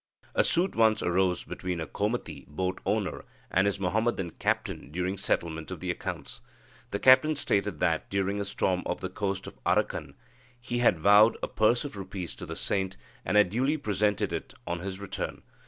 A suit once arose between a Komati boat owner and his Muhammadan captain during settlement of the accounts. The captain stated that, during a storm off the coast of Arakan, he had vowed a purse of rupees to the saint, and had duly presented it on his return.